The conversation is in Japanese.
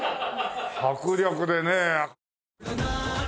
迫力でねえ。